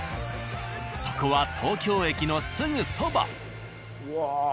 そこは東京駅のすぐそば。